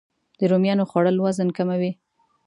د رومیانو خوړل وزن کموي